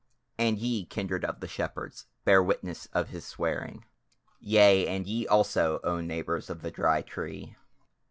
And, ye kindred of the Shepherds, bear witness of his swearing. Yea and ye also, O neighbours of the Dry Tree!"